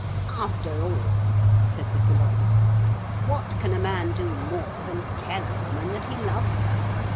"After all," said the Philosopher, "what can a man do more than tell a woman that he loves her?